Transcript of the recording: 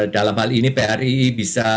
dalam hal ini phri bisa